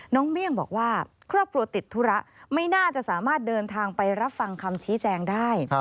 เมี่ยงบอกว่าครอบครัวติดธุระไม่น่าจะสามารถเดินทางไปรับฟังคำชี้แจงได้